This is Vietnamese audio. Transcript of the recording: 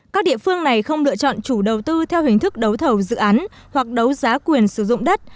các địa phương này không lựa chọn chủ đầu tư theo hình thức đấu thầu dự án hoặc đấu giá quyền sử dụng đất